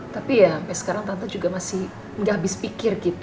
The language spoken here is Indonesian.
tapi ya sampai sekarang tante juga masih gak habis pikir gitu